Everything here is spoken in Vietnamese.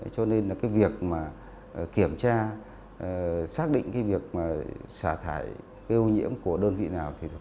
cho nên việc kiểm tra xác định việc xả thải ưu nhiễm của đơn vị nào thì được